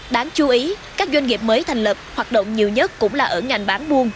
đáng chú ý các doanh nghiệp mới thành lập hoạt động nhiều nhất cũng là ở ngành bán buôn